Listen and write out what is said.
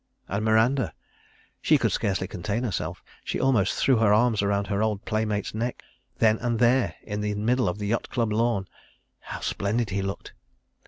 And Miranda! She could scarcely contain herself. She almost threw her arms round her old playmate's neck, then and there, in the middle of the Yacht Club lawn. ... How splendid he looked!